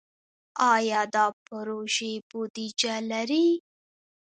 آیا دا پروژې بودیجه لري؟